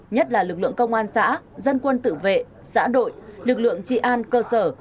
nhất là lực lượng công an xã dân quân tự vệ xã đội lực lượng trị an cơ sở